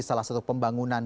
salah satu pembangunan